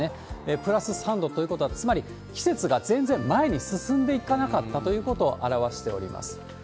プラス３度ということは、つまり季節が全然前に進んでいかなかったということを表しております。